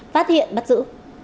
phát hiện bắt giữ